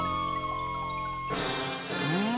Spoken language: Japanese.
うん。